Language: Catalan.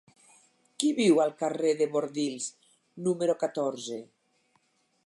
Qui viu al carrer de Bordils número catorze?